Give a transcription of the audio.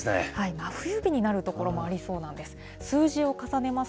真冬日になる所もありそうなんです。